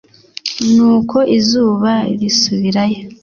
Nuko izuba risubirayo,